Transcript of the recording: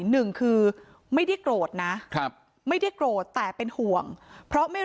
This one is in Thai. หนึ่งคือไม่ได้โกรธนะครับไม่ได้โกรธแต่เป็นห่วงเพราะไม่รู้